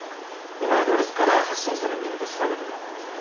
今アドレスから発信者の身元調べてもらってます。